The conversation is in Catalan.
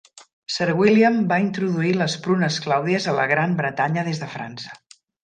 Sir William va introduir les prunes clàudies a la Gran Bretanya des de França.